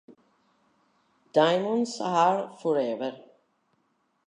Diamonds Are Forever